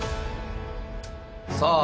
さあ